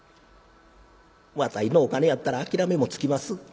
「わたいのお金やったら諦めもつきます。